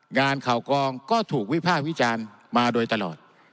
งานข่าวกองก็ถูกวิภาควิจารณ์มาโดยตลอด